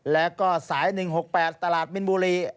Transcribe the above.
แล้วก็สาย๑๖๘ตลาดมินบุรี